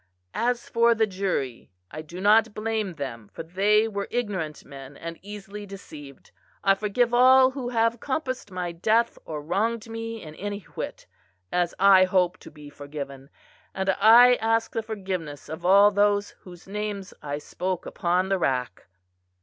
As for the jury I do not blame them, for they were ignorant men and easily deceived. I forgive all who have compassed my death or wronged me in any whit, as I hope to be forgiven; and I ask the forgiveness of all those whose names I spoke upon the rack."